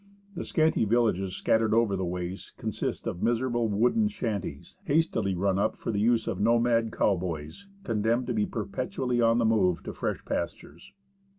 The scanty villages scattered over the waste consist of miserable wooden shanties, hastily run up for the use of nomad cow boys, condemned to be perpetually on the move to fresh pastures.